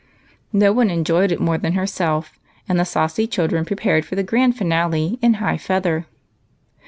No one enjoyed it more than herself, and the saucy children prepared for the gv^mdi finale in high feather.